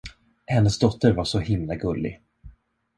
Hennes dotter var så himla gullig.